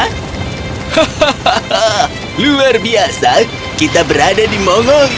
hahaha luar biasa kita berada di momong